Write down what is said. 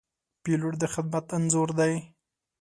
پیلوټ د خدمت انځور وي.